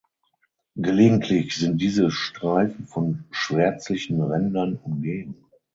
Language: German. Gelegentlich sind diese Streifen von schwärzlichen Rändern umgeben.